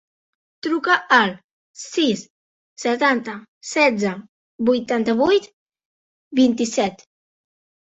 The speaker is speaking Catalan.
Truca al sis, setanta, setze, vuitanta-vuit, vint-i-set.